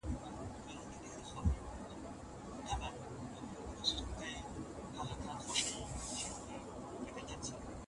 له هر کلي ناره پورته یوه خاوره یوه وینه